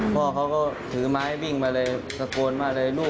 พ่อเขาก็ถือไม้วิ่งมาเลยตะโกนมาเลยลูก